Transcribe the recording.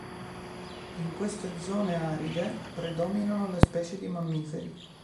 In queste zone aride predominano le specie di mammiferi.